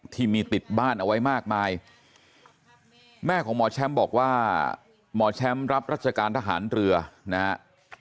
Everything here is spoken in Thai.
ที่มีติดบ้านเอาไว้มากมายแม่ของหมอแชมป์บอกว่าหมอแชมป์รับรัชการทหารเรือนะฮะ